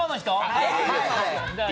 はい！